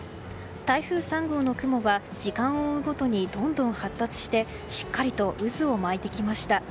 台風３号の雲は時間を追うごとにどんどん発達してしっかりと渦を巻いてきました。